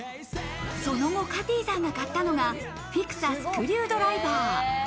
その後、カティーさんが買ったのがＦＩＸＡスクリュードライバー。